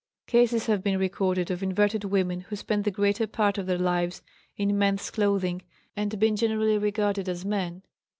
Cases have been recorded of inverted women who spent the greater part of their lives in men's clothing and been generally regarded as men.